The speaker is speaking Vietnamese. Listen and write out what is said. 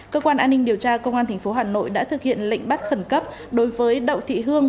cơ quan an ninh điều tra công an tp hà nội đã thực hiện lệnh bắt khẩn cấp đối với đậu thị hương